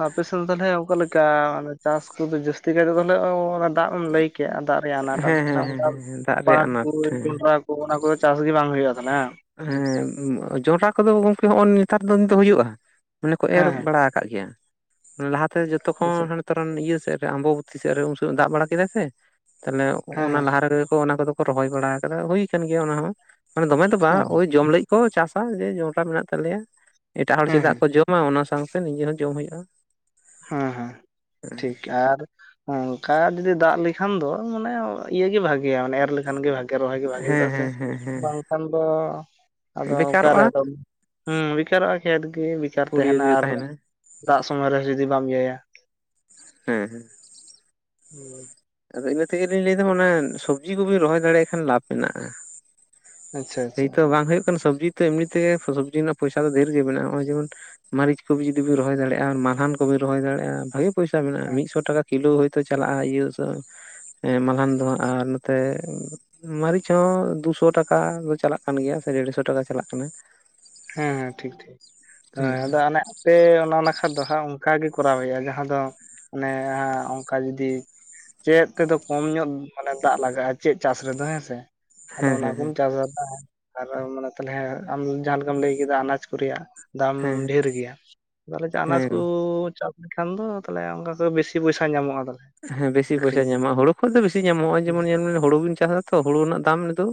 ᱟᱯᱮᱥᱮᱫ ᱛᱟᱦᱚᱞᱮ ᱚᱠᱟᱞᱮᱠᱟ ᱪᱟᱥ ᱠᱚᱫᱚ ᱡᱟᱥᱛᱤ ᱠᱟᱭᱛᱮ ᱛᱟᱦᱚᱞᱮ ᱚᱱᱮ ᱫᱟᱜ ᱮᱢ ᱞᱟᱹᱭ ᱠᱮᱭᱟ ᱟᱨ ᱫᱟᱜ ᱨᱮᱭᱟᱜ ᱟᱱᱟᱴ ᱦᱮᱸ ᱦᱮᱸ ᱦᱮᱸ ᱦᱮᱸ ᱫᱟᱜ ᱨᱮᱭᱟᱜ ᱟᱱᱟᱴ ᱦᱮᱸ [unintelligible] ᱛᱚ ᱚᱱᱟ ᱠᱚᱫᱚ ᱪᱟᱥ ᱜᱮ ᱵᱟᱝ ᱦᱩᱭᱩᱜᱼᱟ ᱦᱟᱝ? ᱦᱮᱸ ᱡᱚᱱᱰᱨᱟ ᱠᱚᱫᱚ ᱜᱚᱝᱠᱮ ᱦᱚᱸᱜᱼᱚᱭ ᱱᱮᱛᱟᱨ ᱫᱤᱱ ᱫᱚ ᱦᱩᱭᱩᱜᱼᱟ ᱢᱟᱱᱮ ᱠᱚ ᱮᱨ ᱦᱮᱸ ᱵᱟᱲᱟ ᱠᱟᱜ ᱜᱮᱭᱟ ᱞᱟᱦᱟ ᱛᱮ ᱡᱚᱛᱚ ᱦᱮᱸ ᱠᱷᱚᱱ ᱛᱚᱨᱮᱱ ᱤᱭᱟᱹ ᱥᱮᱜ ᱨᱮ ᱟᱢᱵᱚᱵᱛᱤ ᱥᱮᱜ ᱨᱮ ᱩᱱ ᱥᱚᱢᱚᱭ ᱫᱟᱜ ᱵᱟᱲᱟ ᱠᱮᱫᱟᱭ ᱥᱮ ᱛᱟᱦᱚᱞᱮ ᱦᱮᱸ ᱦᱮᱸ ᱚᱱᱟ ᱞᱟᱦᱟ ᱨᱮᱜᱮ ᱠᱚ ᱚᱱᱟ ᱠᱚᱫᱚ ᱠᱚ ᱨᱚᱦᱚᱭ ᱵᱟᱲᱟ ᱠᱟᱫᱟ, ᱦᱩᱭ ᱠᱟᱱ ᱜᱮᱭᱟ ᱚᱱᱟ ᱦᱚᱸ ᱢᱟᱱᱮ ᱫᱚᱢᱮ ᱫᱚ ᱵᱟᱝ ᱦᱮᱸ ᱳᱭ ᱡᱚᱢ ᱞᱟᱹᱜᱤᱫ ᱠᱚ ᱪᱟᱥᱟ ᱡᱮ ᱡᱚᱱᱰᱨᱟ ᱢᱮᱱᱟᱜ ᱛᱟᱞᱮᱭᱟ ᱮᱴᱟᱜ ᱦᱚᱲ ᱦᱮᱸ ᱪᱮᱫᱟᱜ ᱦᱮᱸ ᱠᱚ ᱡᱚ ᱢᱟ ᱚᱱᱟ ᱥᱟᱸᱣᱛᱮ ᱱᱤᱡᱮ ᱦᱚᱸ ᱡᱚᱢ ᱦᱩᱭᱩᱜᱼᱟ᱾ ᱦᱮᱸ ᱦᱮᱸ ᱴᱷᱤᱠ ᱟᱨ ᱚᱱᱠᱟ ᱡᱩᱫᱤ ᱫᱟᱜ ᱞᱮᱠᱷᱟᱱ ᱫᱚ ᱢᱟᱱᱮ ᱤᱭᱟᱹᱜᱤ ᱵᱷᱟᱹᱜᱮᱭᱟ ᱢᱟᱱᱮ ᱮᱨ ᱞᱮᱠᱷᱟᱱ ᱜᱮ ᱵᱷᱟ ᱜᱮ ᱨᱚᱦᱚᱭ ᱜᱮ ᱵᱷᱟᱹᱜᱤᱭᱟ ᱦᱮᱸ ᱪᱮᱫᱟᱜ ᱥᱮ ᱦᱮᱸ ᱦᱮᱸ ᱦᱮᱸ ᱵᱟᱝ ᱠᱷᱟᱱ ᱫᱚ ᱟᱫᱚ ᱵᱮᱠᱟᱨᱚᱜᱼᱟ ᱚᱠᱟᱨᱮ ᱟᱫᱚ ᱦᱮᱸ ᱵᱮᱠᱟᱨᱚᱜᱼᱟ ᱠᱷᱮᱛ ᱜᱮ ᱵᱮᱠᱟᱨ ᱯᱩᱲᱤᱭᱟᱹ ᱛᱟᱦᱮᱸᱱᱟ ᱜᱮ ᱟᱨ ᱛᱟᱦᱮᱱᱟ ᱫᱟᱜ ᱥᱚᱢᱚᱭ ᱨᱮᱦᱚᱸ ᱡᱩᱫᱤ ᱵᱟᱢ ᱤᱭᱟᱹᱭᱟ᱾ ᱦᱮᱸ᱾ [inaudible] ᱟᱫᱚ ᱤᱱᱟᱹ ᱛᱮᱜᱮ ᱞᱤᱧ ᱞᱟᱹᱭ ᱫᱟ, ᱚᱱᱟ ᱥᱚᱵᱽᱡᱤ ᱠᱚᱵᱤᱱ ᱨᱚᱦᱚᱭ ᱫᱟᱲᱮᱭᱟᱜ ᱠᱷᱟᱱ ᱞᱟᱵᱷ ᱢᱮᱱᱟᱜᱼᱟ᱾ ᱟᱪᱪᱷᱟ ᱥᱮᱭ ᱟᱪᱪᱷᱟ ᱛᱚ ᱵᱟᱝ ᱦᱩᱭᱩᱜ ᱠᱟᱱᱟ ᱥᱚᱵᱽᱡᱤ ᱛᱮ ᱮᱢᱱᱤ ᱛᱮᱜᱮ ᱥᱚᱵᱽᱡᱤ ᱨᱮᱱᱟᱜ ᱯᱚᱭᱥᱟ ᱫᱚ ᱰᱷᱮᱨ ᱜᱮ ᱢᱮᱱᱟᱜᱼᱟ, ᱱᱚᱸᱜᱼᱚᱭ ᱡᱮᱢᱚᱱ ᱢᱟᱹᱨᱤᱪ ᱠᱚ ᱡᱩᱫᱤ ᱵᱤᱱ ᱨᱚᱦᱚᱭ ᱫᱟᱲᱮᱭᱟᱜᱼᱟ ᱟᱨ ᱢᱟᱞᱦᱟᱱ ᱠᱚᱵᱤᱱ ᱨᱚᱦᱚᱭ ᱫᱟᱲᱮᱭᱟᱜᱼᱟ ᱵᱷᱟᱹᱜᱤ ᱯᱚᱭᱥᱟ ᱢᱮᱱᱟᱜᱼᱟ ᱾ᱢᱤᱫᱥᱚ ᱴᱟᱠᱟ ᱠᱤᱞᱳ ᱦᱚᱭᱛᱚ ᱪᱟᱞᱟᱜᱼᱟ, ᱤᱭᱟᱹ ᱥᱚ ᱦᱮᱸ ᱢᱟᱞᱦᱟᱱ ᱫᱚ ᱦᱟᱸᱜ ᱟᱨ ᱱᱚᱛᱮ ᱢᱟᱹᱨᱤᱪ ᱦᱚᱸ ᱫᱩᱥᱚ ᱴᱟᱠᱟ ᱨᱳᱡ ᱪᱟᱞᱟᱜ ᱠᱟᱱ ᱜᱮᱭᱟ ᱥᱮ ᱰᱮᱲᱥᱚ ᱴᱟᱠᱟ ᱪᱟᱞᱟᱜ ᱠᱟᱱᱟ᱾ ᱦᱮᱸ ᱦᱮᱸ ᱴᱷᱤᱠ ᱴᱷᱤᱠ ᱦᱮᱸ ᱟᱫᱚ ᱚᱱᱟ ᱯᱮ ᱚᱱᱟ ᱱᱟᱠᱷᱟ ᱫᱚ ᱦᱟᱸᱜ ᱚᱱᱠᱟ ᱜᱮ ᱠᱚᱨᱟᱣ ᱦᱩᱭᱩᱜᱼᱟ, ᱡᱟᱦᱟᱸ ᱫᱚ ᱚᱱᱮ ᱚᱝᱠᱟ ᱡᱩᱫᱤ ᱪᱮᱫ ᱛᱮᱫᱚ ᱠᱚᱢ ᱧᱚᱜ ᱢᱟᱱᱮ ᱫᱟᱜ ᱞᱟᱜᱟᱜᱼᱟ ᱪᱮᱫ ᱪᱟᱥ ᱨᱮᱫᱚ ᱦᱮᱸᱥᱮ᱾ ᱟᱫᱚ ᱚᱱᱟ ᱦᱮᱸ ᱦᱮᱸ ᱠᱚᱢ ᱪᱟᱥᱫᱟ [unintelligible] ᱟᱨ ᱢᱟᱱᱮ ᱛᱟᱦᱚᱞᱮ ᱟᱢ ᱡᱟᱦᱟᱸ ᱞᱮᱠᱟᱢ ᱞᱟᱹᱭ ᱠᱮᱫᱟ ᱟᱱᱟᱡ ᱠᱚ ᱨᱮᱭᱟᱜ ᱫᱟᱢ ᱦᱮᱸ ᱰᱷᱮᱨ ᱜᱮᱭᱟ, ᱛᱟᱦᱚᱞᱮ ᱟᱱᱟᱡ ᱦᱮᱸ ᱠᱚ ᱪᱟᱥ ᱞᱮᱠᱷᱟᱱ ᱫᱚ ᱛᱟᱦᱚᱞᱮ ᱚᱱᱠᱟ ᱠᱚ ᱵᱮᱥᱤ ᱯᱚᱭᱥᱟᱹ ᱧᱟᱢᱚᱜᱼᱟ ᱛᱟᱦᱚᱞᱮ᱾ ᱦᱮᱸ ᱵᱮᱥᱤ ᱯᱚᱭᱥᱟ ᱟᱹᱠᱷᱨᱤᱧ ᱧᱟᱢᱚᱜᱼᱟ ᱦᱩᱲᱩ ᱠᱷᱚᱡ ᱫᱚ ᱵᱮᱥᱤ ᱧᱟᱢᱚᱜ ᱱᱚᱸᱜᱼᱚᱭ ᱦᱮᱸ ᱡᱮᱢᱚᱱ ᱧᱮᱞᱵᱤᱱ ᱦᱩᱲᱩ ᱵᱤᱱ ᱪᱟᱥᱟ ᱛᱚ ᱦᱩᱲᱩ ᱨᱮᱱᱟᱜ ᱫᱟᱢ ᱱᱤᱛᱚᱜ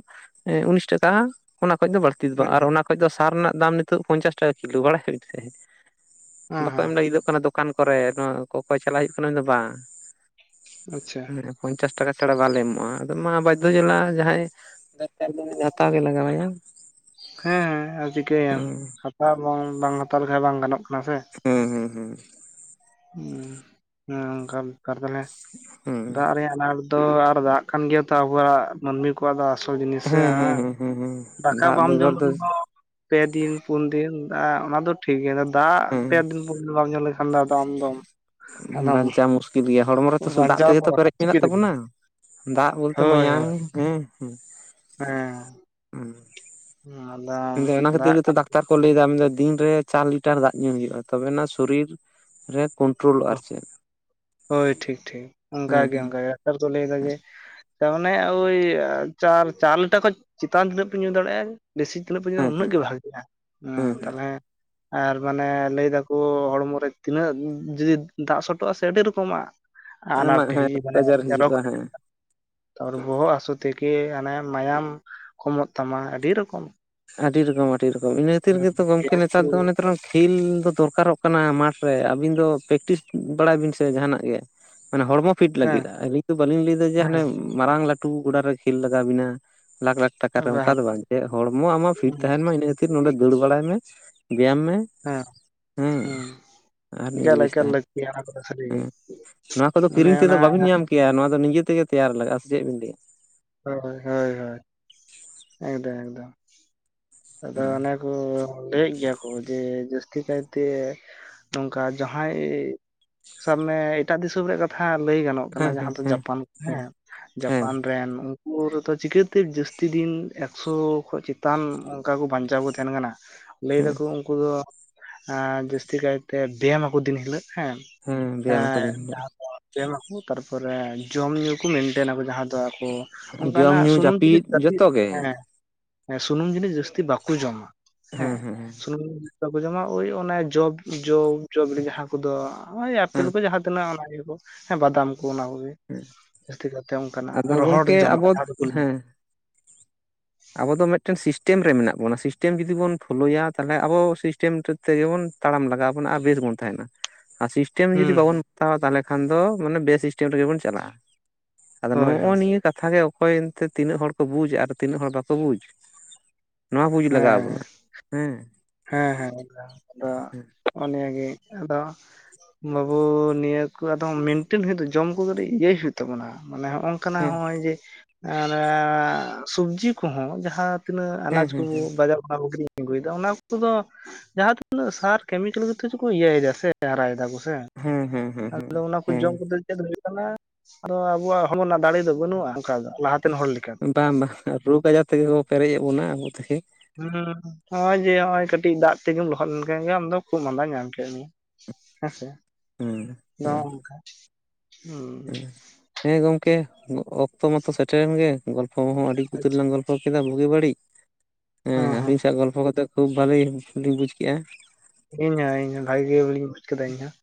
ᱩᱱᱤᱥ ᱴᱟᱠᱟ ᱚᱱᱟ ᱠᱷᱚᱡ ᱫᱚ ᱵᱟᱹᱲᱛᱤ ᱫᱚ ᱵᱟᱝ ᱦᱮᱸ ᱾ᱟᱨ ᱚᱱᱟ ᱠᱷᱚᱡ ᱫᱚ ᱥᱟᱨ ᱨᱮᱱᱟᱜ ᱫᱟᱢ ᱱᱤᱛᱚᱜ ᱯᱚᱧᱪᱟᱥ ᱴᱟᱠᱟ ᱠᱤᱞᱳ, ᱵᱟᱲᱟᱭ ᱟᱹᱵᱤᱱ ᱥᱮ, ᱵᱟᱠᱚ ᱦᱮᱸ ᱮᱢ ᱞᱟᱹᱜᱤᱫᱚᱜ ᱠᱟᱱᱟ ᱫᱚ ᱠᱟᱱ ᱠᱚᱨᱮ ᱱᱚᱣᱟ ᱠᱚᱠᱚᱭ ᱪᱟᱞᱟᱜ ᱦᱩᱭᱩᱜ ᱠᱟᱱᱟ ᱢᱮᱱ ᱫᱟ ᱵᱟᱝ᱾ ᱟᱪᱪᱷᱟ᱾ ᱮᱸ ᱯᱚᱧᱪᱟᱥ ᱴᱟᱠᱟ ᱪᱷᱟᱲᱟ ᱵᱟᱞᱮ ᱮᱢᱚᱜᱼᱟ, ᱢᱟ ᱵᱟᱫᱽᱫᱷᱚ ᱡᱟᱞᱟ ᱡᱟᱦᱟᱸᱭ ᱫᱚᱨᱠᱟᱨ ᱫᱚ ᱩᱱᱤ ᱦᱟᱛᱟᱣ ᱜᱮ ᱞᱟᱜᱟᱣᱟᱭᱟ᱾ ᱦᱮᱸ ᱟᱨ ᱪᱤᱠᱟᱹᱭᱟᱢ ᱦᱩᱸ ᱦᱟᱛᱟᱣ ᱵᱟᱝ ᱵᱟᱝ ᱦᱟᱛᱟᱣ ᱞᱮᱠᱷᱟᱱ ᱵᱟᱝ ᱜᱟᱱᱚᱜ ᱠᱟᱱᱟ ᱥᱮ? ᱦᱮᱸ ᱦᱮᱸ ᱦᱮᱸ᱾ ᱦᱩᱸ ᱚᱱᱮ ᱚᱱᱠᱟ ᱵᱮᱠᱟᱨ ᱛᱟᱦᱞᱮ ᱦᱩᱸ ᱫᱟᱜ ᱨᱮᱭᱟᱜ ᱟᱱᱟᱴ ᱫᱚ ᱟᱨ ᱫᱟᱜ ᱠᱟᱱ ᱜᱮᱭᱟ ᱛᱚ ᱟᱵᱚᱣᱟᱜ ᱢᱟᱹᱱᱢᱤ ᱠᱚᱣᱟᱜ ᱫᱚ ᱟᱥᱚᱞ ᱡᱤᱱᱤᱥ ᱥᱮ ᱦᱮᱸ᱾ ᱫᱟᱠᱟ ᱵᱟᱢ ᱡᱚᱢ ᱨᱮᱦᱚ ᱯᱮ ᱫᱤᱱ ᱯᱩᱱ ᱫᱤᱱ ᱫᱟᱜ ᱚᱱᱟ ᱫᱚ ᱴᱷᱤᱠ ᱜᱮᱭᱟ, ᱫᱟᱜ ᱦᱮᱸ ᱯᱮ ᱫᱤᱱ ᱯᱩᱱ ᱫᱤᱱ ᱵᱟᱢ ᱧᱩ ᱞᱮᱠᱷᱟᱱ ᱫᱚ ᱟᱢ ᱫᱚᱢ ᱦᱩᱸ ᱟᱫᱚᱢ ᱵᱟᱧᱪᱟᱣ ᱢᱩᱥᱠᱤᱞ ᱜᱮᱭᱟ ᱦᱚᱲᱢᱚ ᱨᱮᱛᱚ ᱥᱩᱫᱩ ᱫᱟᱜ ᱵᱟᱧᱪᱟᱣ ᱛᱮᱜᱮ ᱫᱚ ᱛᱚ ᱯᱮᱨᱮᱡ ᱢᱮᱱᱟᱜ ᱢᱩᱥᱠᱤᱞ ᱛᱟᱵᱚᱱᱟ᱾ ᱜᱮᱭᱟ ᱫᱟᱜ ᱵᱚᱞᱛᱮ ᱦᱳᱭ ᱢᱟᱭᱟᱝ ᱦᱳᱭ ᱦᱮᱸ ᱦᱮᱸ ᱾ ᱦᱩᱸ ᱾ ᱦᱩᱸ ᱟᱫᱚ ᱫᱟᱜ ᱠᱟᱱ ᱰᱟᱠᱛᱟᱨ ᱠᱚ ᱞᱟᱹᱭᱫᱟ ᱢᱮᱱᱫᱟ ᱫᱤᱱ ᱨᱮ ᱪᱟᱨ ᱞᱤᱴᱟᱨ ᱫᱟᱜ ᱧᱩ ᱦᱩᱭᱩᱜᱼᱟ ᱛᱚᱵᱮᱱᱟ ᱥᱚᱨᱤᱨ ᱨᱮ ᱠᱚ ᱦᱳᱭ ᱴᱷᱤᱠ ᱴᱷᱤᱠ ᱦᱮᱸ ᱚᱱᱠᱟᱜᱮ ᱦᱮᱸ ᱚᱱᱠᱟᱜᱮ ᱰᱟᱠᱴᱟᱨ ᱠᱚ ᱞᱟᱹᱭᱫᱟ ᱡᱮ ᱛᱟ ᱢᱟᱱᱮ ᱳᱭ ᱪᱟᱨ ᱪᱟᱨ ᱞᱤᱴᱟᱨ ᱠᱷᱚᱡ ᱪᱮᱛᱟᱱ ᱛᱤᱱᱟᱹᱜ ᱯᱮ ᱧᱩ ᱫᱟᱲᱮᱭᱟᱜᱼᱟ ᱵᱮᱥᱤ ᱛᱤᱱᱟᱹᱜ ᱯᱮ ᱧᱩᱭᱟ ᱦᱮᱸ ᱯᱮ ᱩᱱᱟᱹᱜ ᱦᱮᱸ ᱜᱮ ᱵᱷᱟᱜᱮᱜᱼᱟ ᱾ ᱩᱸ ᱦᱮᱸ ᱦᱮᱸ ᱛᱟᱦᱚᱞᱮ ᱟᱨ ᱢᱟᱱᱮ ᱞᱟᱹᱭ ᱫᱟᱠᱚ ᱦᱚᱲᱢᱚ ᱨᱮ ᱛᱤᱱᱟᱹᱜ ᱡᱩᱫᱤ ᱫᱟᱜ ᱥᱚᱴᱚᱜᱼᱟ ᱥᱮ ᱟᱹᱰᱤ ᱨᱚᱠᱚᱢᱟᱜ ᱟᱱᱟᱴ ᱟᱢᱟᱜ ᱦᱮᱸ ᱦᱤ ᱨᱳᱜᱽ ᱢᱟᱱᱮ [inaudible] ᱟᱡᱟᱨ ᱦᱤᱡᱩᱜᱼᱟ ᱦᱮᱸ ᱛᱟᱯᱚᱨᱮ ᱵᱚᱦᱚᱜ ᱦᱟᱹᱥᱩ ᱛᱷᱮᱠᱮ ᱦᱟᱱᱮ ᱢᱟᱭᱟᱢ ᱠᱚᱢᱚᱜ ᱛᱟᱢᱟ ᱟᱹᱰᱤ ᱨᱚᱠᱚᱢ ᱾ ᱟᱹᱰᱤ ᱨᱚᱠᱚᱢ ᱟᱹᱰᱤ ᱨᱚᱠᱚᱢ ᱾ ᱤᱱᱟᱹ ᱠᱷᱟᱹᱛᱤᱨ ᱜᱮ ᱛᱚ ᱜᱚᱢᱠᱮ ᱜᱮᱥ ᱠᱚ ᱱᱮᱛᱟᱨ ᱫᱚ ᱚᱱᱮ [inaudible] ᱠᱷᱤᱞ ᱫᱚ ᱫᱚᱨᱠᱟᱨᱚᱜ ᱠᱟᱱᱟ ᱢᱟᱴᱷ ᱨᱮ, ᱟᱹᱵᱤᱱ ᱫᱚ ᱯᱮᱠᱴᱤᱥ ᱵᱟᱲᱟᱭ ᱵᱤᱱ ᱥᱮ ᱡᱟᱦᱟᱸᱱᱟᱜ ᱜᱮ! ᱢᱟᱱᱮ ᱦᱚᱲᱢᱚ ᱯᱷᱤᱴ ᱦᱮᱸ ᱞᱟᱹᱜᱤᱫᱼᱟ, ᱟᱹᱞᱤᱧ ᱫᱚ ᱵᱟᱞᱤᱧ ᱞᱟᱹᱭᱫᱟ ᱡᱮ ᱦᱟᱱᱮ ᱦᱮᱸ ᱢᱟᱨᱟᱝ ᱞᱟᱹᱴᱩ ᱜᱚᱰᱟ ᱨᱮ ᱠᱷᱮᱞ ᱞᱟᱜᱟᱣ ᱵᱮᱱᱟ ᱞᱟᱠᱷ ᱞᱟᱠᱷ ᱴᱟᱠᱟᱨᱮ ᱚᱝᱠᱟ ᱫᱚ ᱵᱟᱝ ᱡᱮ ᱦᱚᱲᱢᱚ ᱟᱢᱟᱜ ᱯᱷᱤᱴ ᱛᱟᱦᱮᱱ ᱢᱟ ᱤᱱᱟᱹ ᱠᱷᱟᱹᱛᱤᱨ ᱱᱚᱰᱮ ᱫᱟᱹᱲ ᱵᱟᱲᱟᱭ ᱢᱮ ᱵᱮᱭᱟᱢ ᱢᱮ ᱾ ᱦᱮᱸ, ᱦᱩᱸ ᱟᱨ ᱾ ᱱᱤᱡᱮ ᱮᱠᱟᱞ ᱵᱮᱥ ᱮᱠᱟᱞ ᱛᱟᱦᱮᱱ ᱞᱟᱹᱠᱛᱤᱭᱟ ᱚᱱᱟ ᱠᱚᱫᱚ ᱥᱟᱹᱨᱤᱜᱮ, ᱦᱮᱸ ᱚᱱᱮ ᱚᱱᱟ ᱠᱤᱭᱟ ᱱᱚᱣᱟ ᱫᱚ ᱱᱤᱡᱮ ᱛᱮᱜᱮ ᱛᱮᱭᱟᱨ ᱞᱟᱜᱼᱟ ᱥᱮ ᱪᱮᱫ ᱵᱤᱱ ᱞᱟᱹᱭᱟ? ᱦᱳᱭ ᱦᱳᱭ ᱦᱳᱭ ᱮᱠᱫᱚᱢ ᱮᱠᱫᱚᱢ, ᱟᱫᱚ ᱦᱮᱸ ᱚᱱᱮ ᱠᱚ ᱞᱟᱹᱭᱮᱫ ᱜᱮᱭᱟ ᱠᱚ ᱡᱮ ᱡᱟᱹᱥᱛᱤ ᱠᱟᱭᱛᱮ ᱱᱚᱝᱠᱟ ᱡᱟᱦᱟᱸᱭ ᱥᱟᱵ ᱢᱮ ᱮᱴᱟᱜ ᱫᱤᱥᱚᱢ ᱨᱮᱭᱟᱜ ᱠᱟ ᱛᱷᱟ ᱞᱟᱹᱭ ᱜᱟᱱᱚᱜ ᱠᱟᱱᱟ ᱦᱮᱸ ᱦᱮᱸ ᱡᱟᱦᱟᱸ ᱫᱚ ᱦᱮᱸ ᱡᱟᱯᱟᱱ ᱦᱮᱸ ᱦᱮᱸ ᱡᱟᱯᱟᱱ ᱨᱮᱱ ᱩᱱᱠᱩ ᱨᱮᱫᱚ ᱪᱤᱠᱟᱹᱛᱮ ᱡᱟᱹᱥᱛᱤ ᱫᱤᱱ ᱮᱠᱥᱚ ᱠᱷᱚᱡ ᱪᱮᱛᱟᱱ ᱚᱱᱠᱟ ᱠᱚ ᱵᱟᱧᱪᱟᱣ ᱠᱚ ᱛᱟᱦᱮᱱ ᱠᱟᱱᱟ ᱾ ᱞᱟᱹᱭ ᱦᱮᱸ ᱫᱟᱠᱚ ᱩᱱᱠᱩ ᱫᱚ ᱟᱸ ᱡᱟᱹᱥᱛᱤ ᱠᱟᱭᱛᱮ ᱵᱮᱭᱟᱢ ᱟᱠᱚ ᱫᱤᱱ ᱦᱤᱞᱳᱜ ᱦᱮᱸ, ᱵᱮᱭᱟᱢ ᱮᱸ ᱟᱠᱟᱫᱟᱹᱧ [inaudible] ᱱᱮᱭᱟᱢᱟᱠᱚ ᱛᱟᱨᱯᱚᱨᱮ ᱡᱚᱢ ᱧᱩ ᱠᱚ ᱢᱮᱱᱴᱮᱱᱟ ᱠᱚ ᱡᱟᱦᱟᱸ ᱫᱚ ᱟᱠᱚ ᱡᱚᱢ ᱚᱝᱠᱟᱱᱟᱜ ᱧᱩ ᱥᱩᱱᱩᱢ ᱡᱟᱹᱯᱤᱫ ᱡᱤᱱᱤᱥ ᱡᱟᱛᱤ ᱡᱚᱛᱚ ᱜᱮ ᱦᱮᱸ, ᱦᱮᱸ ᱥᱩᱱᱩᱢ ᱡᱤᱱᱤᱥ ᱡᱟᱹᱥᱛᱤ ᱵᱟᱠᱚ ᱡᱚᱢᱟ, ᱦᱮᱸ ᱥᱩᱱᱩᱢ ᱵᱟᱠᱚ ᱡᱚᱢᱟ ᱳᱭ ᱚᱱᱮ ᱡᱚᱵ ᱡᱚ ᱡᱚᱵᱤᱞᱤ ᱡᱟᱦᱟᱸ ᱠᱩ ᱫᱚ ᱚᱭ ᱟᱯᱮᱞ ᱠᱚ ᱦᱮᱸ ᱡᱟᱦᱟᱸ ᱛᱤᱱᱟᱹᱜ ᱚᱱᱟ ᱜᱮᱠᱚ ᱦᱮ ᱵᱟᱫᱟᱢ ᱠᱚ ᱚᱱᱟ ᱠᱚᱜᱮ ᱾ ᱡᱟᱹᱥᱛᱤ ᱠᱟᱭᱛᱮ ᱚᱝᱠᱟᱱᱟᱜ ᱨᱚᱦᱚᱲ ᱛᱮ ᱡᱚᱢᱟᱜ ᱟᱵᱚ ᱡᱟᱦᱟᱸ ᱫᱚᱠᱚ ᱞᱟᱹᱭ ᱦᱮᱸ ᱾ ᱟᱵᱚ ᱫᱚ ᱢᱤᱫᱴᱮᱱ ᱥᱤᱥᱴᱮᱢ ᱨᱮ ᱢᱮᱱᱟᱜ ᱵᱚᱱᱟ ᱥᱤᱥᱴᱮᱢ ᱡᱩᱫᱤ ᱵᱚᱱ ᱯᱷᱳᱞᱳᱭᱟ, ᱛᱟᱦᱚᱞᱮ ᱟᱵᱚ ᱥᱤᱥᱴᱮᱢ ᱨᱮ ᱛᱮᱜᱮ ᱵᱚᱱ ᱛᱟᱲᱟᱢ ᱞᱟᱜᱟᱣ ᱵᱚᱱᱟ ᱟᱨ ᱵᱮᱥ ᱵᱚᱱ ᱛᱟᱦᱮᱱᱟ ᱾ ᱟᱨ ᱥᱤᱥ ᱴᱮᱢ ᱡᱩᱫᱤ ᱦᱩᱸ ᱦᱩᱸ ᱵᱟᱵᱚᱱ ᱦᱟᱛᱟᱣᱟ ᱛᱟᱦᱚᱞᱮ ᱠᱷᱟᱱ ᱫᱚ ᱢᱟᱱᱮ ᱵᱮᱥᱤᱥᱴᱮᱢ ᱨᱮᱜᱮ ᱵᱚᱱ ᱪᱟᱞᱟᱜᱼᱟ ᱾ ᱟᱫᱚ ᱦᱳᱭ ᱱᱚᱜᱼᱚᱭ ᱦᱳᱭ ᱱᱤᱭᱟᱹ ᱠᱟᱛᱷᱟ ᱜᱮ ᱚᱠᱚᱭ ᱮᱱᱛᱮ ᱛᱤᱱᱟᱹᱜ ᱦᱚᱲ ᱠᱚ ᱵᱩᱡᱽ ᱟᱨ ᱛᱤᱱᱟᱹᱜ ᱦᱚᱲ ᱵᱟᱠᱚ ᱵᱩᱡᱽ! ᱱᱚᱣᱟ ᱵᱩᱡᱽ ᱞᱟᱜᱟᱣᱟ ᱦᱮᱸ ᱵᱚᱱᱟ, ᱦᱮᱸ ᱾ ᱦᱮᱸ ᱦᱮᱸ ᱮᱠᱫᱚᱢ, ᱟᱫᱚ ᱦᱚᱜᱼᱚ ᱱᱤᱭᱟᱹ ᱜᱮ ᱟᱫᱚ ᱵᱟᱹᱵᱩ ᱱᱤᱭᱟᱹ ᱠᱚ ᱟᱫᱚ ᱢᱮᱱᱴᱮᱱ ᱦᱩᱭᱩᱜ ᱡᱚᱢ ᱠᱚ ᱠᱟᱹᱴᱤᱡ ᱤᱭᱟᱹᱭ ᱦᱩᱭᱩᱜ ᱛᱟᱵᱚᱱᱟ, ᱢᱟᱱᱮ ᱦᱚᱜᱼᱚᱝ ᱠᱟᱱᱟ ᱦᱮᱸ ᱦᱚᱸᱜᱼᱚᱭ ᱡᱮ ᱟᱸᱱᱮ ᱥᱚᱵᱽᱡᱤ ᱠᱚᱦᱚᱸ ᱡᱟᱦᱟᱸ ᱛᱤᱱᱟᱹᱜ ᱦᱮᱸ ᱟᱱᱟᱡᱽ ᱠᱚ ᱦᱮᱸ ᱦᱮᱸ ᱵᱟᱡᱟᱨ ᱠᱷᱚᱱᱟᱜ ᱠᱚ ᱠᱤᱨᱤᱧ ᱟᱹᱜᱩᱭᱮᱫᱟ, ᱚᱱᱟ ᱩᱱᱠᱩ ᱫᱚ ᱡᱟᱦᱟᱸ ᱛᱤᱱᱟᱹᱜ ᱥᱟᱨ ᱠᱮᱢᱤᱠᱮᱞ ᱠᱚᱛᱮ ᱪᱚ ᱠᱚ ᱤᱭᱟᱹᱭᱮᱫᱟ ᱥᱮ ᱦᱟᱨᱟᱭ ᱫᱟ ᱠᱚ ᱥᱮ ᱦᱮᱸ ᱦᱮᱸ ᱾ ᱟᱫᱚ ᱦᱮᱸ ᱚᱱᱟ ᱦᱮᱸ ᱡᱚᱢ ᱠᱟᱛᱮᱫ ᱪᱮᱫ ᱦᱩᱭᱩᱜ ᱠᱟᱱᱟ? ᱟᱫᱚ ᱟᱵᱚᱣᱟᱜ ᱦᱚᱲᱢᱚ ᱨᱮᱱᱟᱜ ᱫᱟᱲᱮ ᱫᱚ ᱵᱟᱹᱱᱩᱜᱼᱟ ᱚᱝᱠᱟ ᱫᱚ ᱞᱟᱦᱟᱛᱮᱱ ᱦᱚᱲ ᱞᱮᱠᱟ ᱾ ᱦᱮᱸ ᱵᱟᱝ ᱵᱟ ᱨᱳᱜᱽ ᱟᱡᱟᱨ ᱛᱮᱜᱮ ᱠᱚ ᱯᱮᱨᱮᱡ ᱮ ᱵᱚᱱᱟ ᱟᱵᱚ ᱛᱮᱜᱮ ᱾ ᱦᱩᱸ ᱱᱚᱜ-ᱚᱭ ᱡᱮ ᱦᱚᱸᱜᱼᱚᱭ ᱠᱟᱹᱴᱤᱡ ᱫᱟᱜ ᱛᱮᱜᱮᱢ ᱞᱚᱦᱚᱫ ᱞᱮᱱᱠᱷᱟᱱ ᱜᱮ ᱟᱢ ᱫᱚ ᱠᱷᱩᱜ ᱢᱟᱫᱟ ᱧᱟᱢ ᱠᱮᱫ ᱢᱮᱭᱟ ᱾ ᱦᱮᱸ ᱥᱮ, ᱦᱮᱸ ᱱᱚᱜᱼᱚ ᱱᱚᱝᱠᱟ᱾ ᱦᱩᱸ, ᱦᱮᱸ ᱜᱚᱝᱠᱮ ᱚᱠᱛᱚ ᱢᱟᱛᱚ ᱥᱮᱴᱮᱨᱮᱱ ᱜᱮ ᱜᱚᱞᱯᱚ ᱦᱚᱸ ᱟᱹᱰᱤ ᱟᱪᱪᱷᱟ ᱩᱛᱟᱹᱨᱱᱟᱝ ᱜᱚᱞ ᱯᱚ ᱠᱮᱫᱟ ᱵᱩᱜᱤ ᱵᱟᱹᱲᱤᱡ, ᱦᱮᱸ ᱟᱹᱵᱤᱱ ᱥᱟᱶ ᱜᱚᱞᱯᱚ ᱠᱟᱛᱮ ᱠᱷᱩᱵ ᱵᱟᱹᱞᱤᱞᱤᱧ ᱵᱩᱡᱽ ᱠᱮᱫᱼᱟ ᱾ ᱤᱧ ᱦᱚᱸ ᱤᱧ ᱦᱚᱸ ᱵᱷᱟᱜᱮ ᱜᱮ ᱵᱚᱞᱮᱧ ᱵᱩᱡᱷ ᱠᱮᱫᱟ ᱤᱧᱦᱚᱸ ᱾